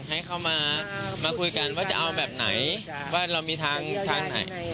ให้เขามาคุยกันว่าจะเอาแบบไหนว่าเรามีทางเยียวยากันอย่างไร